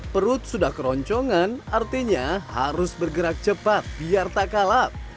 perut sudah keroncongan artinya harus bergerak cepat biar tak kalap